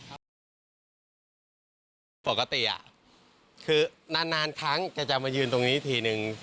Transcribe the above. ปกติคือนานทั้งจะมายืนตรงนี้ทีนึง